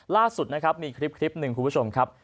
ล่าสุดนะครับมีคลิปหนึ่งคุณผู้ชมครับ